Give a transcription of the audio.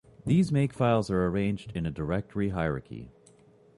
These Makefiles are arranged in a directory hierarchy.